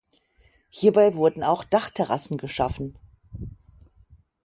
Hierbei wurden auch Dachterrassen geschaffen.